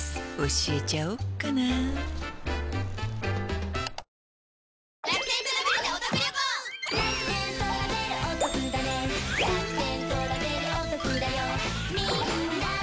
教えちゃおっかな届け。